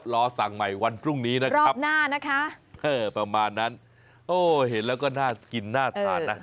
รอสั่งใหม่วันพรุ่งนี้นะครับหน้านะคะประมาณนั้นโอ้เห็นแล้วก็น่ากินน่าทานนะ